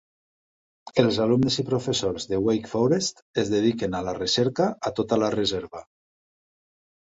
Els alumnes i professors de Wake Forest es dediquen a la recerca a tota la reserva.